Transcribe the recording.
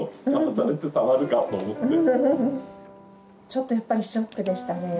ちょっとやっぱりショックでしたね。